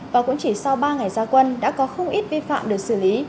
và cũng chỉ sau ba ngày gia quân đã có không ít vi phạm được xử lý